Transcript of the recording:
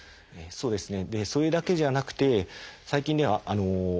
そうですね。